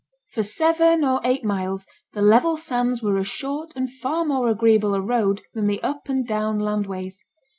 For seven or eight miles the level sands were as short and far more agreeable a road than the up and down land ways.